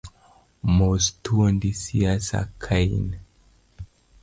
Mos thuondi siasa kain, cllr.